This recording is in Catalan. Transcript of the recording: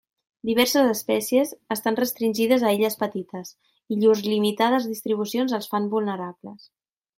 Diverses espècies estan restringides a illes petites, i llurs limitades distribucions els fan vulnerables.